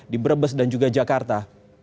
di brebes dan juga jakarta